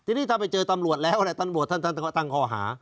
ทีนี้ถ้าไปเจอตำรวจแล้วตำรวจท่านก็ตั้งข้อหา